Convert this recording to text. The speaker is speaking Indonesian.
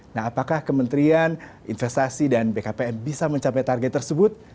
nah apakah kementerian investasi dan bkpm bisa mencapai target tersebut